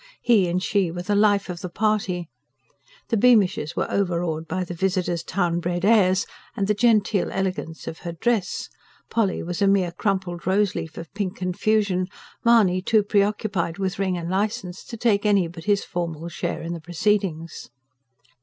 He and she were the life of the party. The Beamishes were overawed by the visitor's town bred airs and the genteel elegance of her dress; Polly was a mere crumpled rose leaf of pink confusion; Mahony too preoccupied with ring and licence to take any but his formal share in the proceedings.